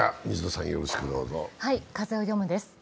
「風をよむ」です。